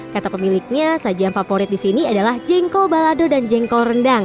kata pemiliknya sajian favorit di sini adalah jengkol balado dan jengkol rendang